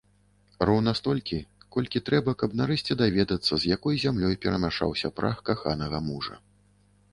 Роўна столькі, колькі трэба, каб, нарэшце, даведацца, з якой зямлёй перамяшаўся прах каханага мужа.